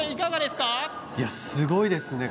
すごいですね。